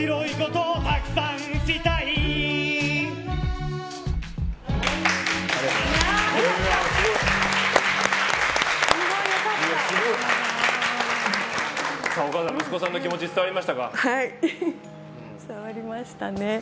はい、伝わりましたね。